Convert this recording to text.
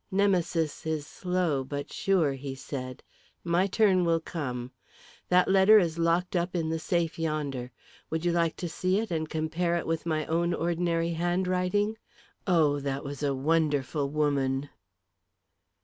"Nemesis is slow but sure," he said. "My turn will come. That letter is locked up in the safe yonder. Would you like to see it and compare it with my own ordinary handwriting? Oh, that was a wonderful woman!"